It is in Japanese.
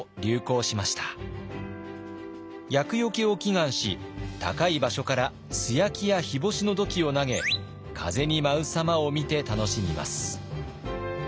厄よけを祈願し高い場所から素焼きや日干しの土器を投げ風に舞うさまを見て楽しみます。